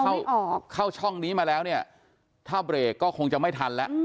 เข้าออกเข้าช่องนี้มาแล้วเนี่ยถ้าเบรกก็คงจะไม่ทันแล้ว